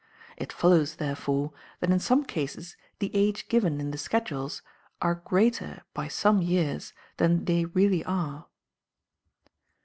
It follows, therefore, that in some cases the age given in the schedules are greater by some years than they really are.